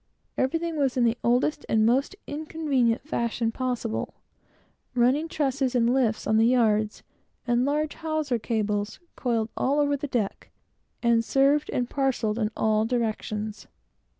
Everything was in the oldest and most inconvenient fashion possible; running trusses on the yards, and large hawser cables, coiled all over the decks, and served and parcelled in all directions.